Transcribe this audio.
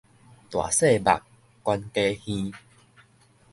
大細目，懸低耳